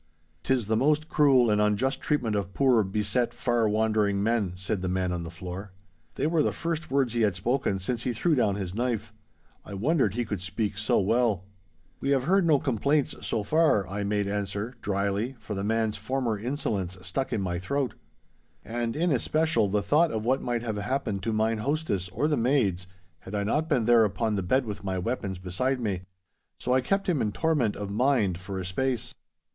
''Tis the most cruel and unjust treatment of poor, beset, far wandering men!' said the man on the floor. They were the first words he had spoken since he threw down his knife. I wondered he could speak so well. 'We have heard no complaints, so far,' I made answer, drily, for the man's former insolence stuck in my throat. And in especial the thought of what might have happened to mine hostess or the maids, had I not been there upon the bed with my weapons beside me. So I kept him in torment of mind for a space.